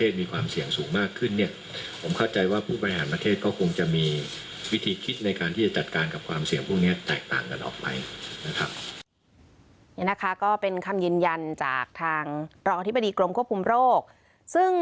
ซึ่งท่านรองอธิบดีกรมควบคุมโรคค่ะ